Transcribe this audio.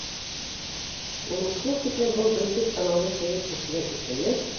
— Уның шул тиклем был бөркөт танаулы сәйер кешегә исеме